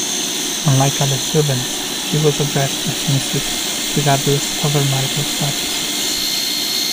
Unlike other servants, she was addressed as Mrs regardless of her marital status.